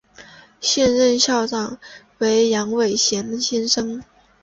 现任校长为杨伟贤先生。